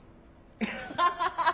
アハハハ。